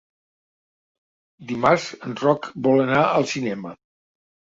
Dimarts en Roc vol anar al cinema.